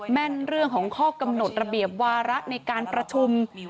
แม่นเรื่องของข้อกำหนดระเบียบวาระในการประชุม